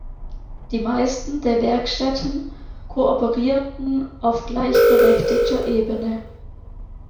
Die meisten der Werkstätten kooperierten auf gleichberechtigter Ebene.